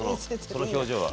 その表情は。